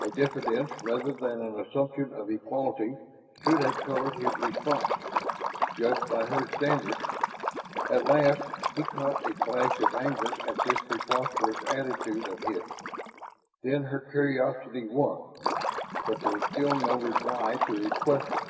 A diffidence rather than an assumption of equality should have colored his response, judged by her standards. At first, he caught a flash of anger at this preposterous attitude of his; then her curiosity won, but there was still no reply to his question.